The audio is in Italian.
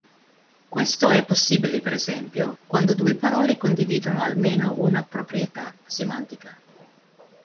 Questo è possibile per esempio quando due parole condividono almeno una proprietà semantica.